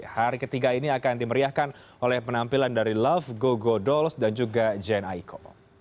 hari ketiga ini akan dimeriahkan oleh penampilan dari love go godols dan juga jane aiko